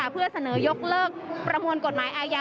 เพื่อเสนอยกเลิกประมวลกฎหมายอาญา